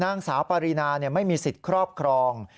นางสาวปารีนาไม่มีสิทธิ์ครอบครอง